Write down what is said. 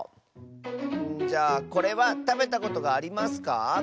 じゃあこれはたべたことがありますか？